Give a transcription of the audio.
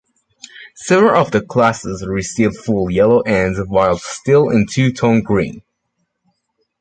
Several of the class received full yellow ends whilst still in two-tone green.